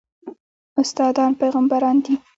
استادان پېغمبران دي